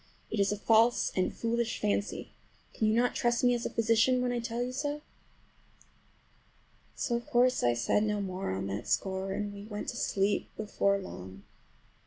It is a false and foolish fancy. Can you not trust me as a physician when I tell you so?" So of course I said no more on that score, and we went to sleep before long.